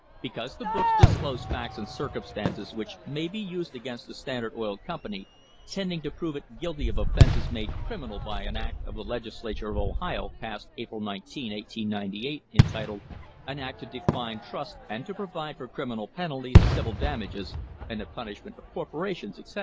Because the books disclose facts and circumstances which may be used against the Standard Oil Company, tending to prove it guilty of offences made criminal by an act of the Legislature of Ohio, passed April 19, 1898, entitled "An Act to define trusts and to provide for criminal penalties, civil damages, and the punishment of corporations," etc.